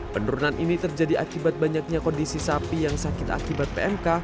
penurunan ini terjadi akibat banyaknya kondisi sapi yang sakit akibat pmk